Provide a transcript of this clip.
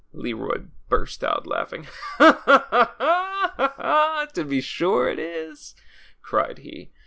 Leroy burst out laughing. "To be sure it is," cried he.